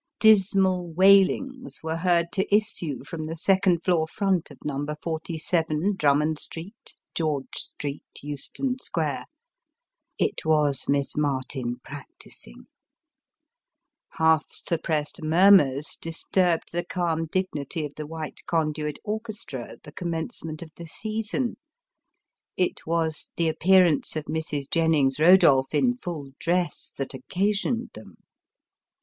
Dismal wailings were heard to issue from the second floor front of number forty seven, Drummond Street, George Street, Euston Square ; it was Miss Martin practising. Half suppressed murmurs disturbed the calm dignity of the White Conduit orchestra at the commencement of the season. It was the appearance of Mrs. Jennings Rodolph in full dress, that occasioned them.